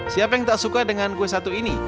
siapa yang tak suka dengan kue satu ini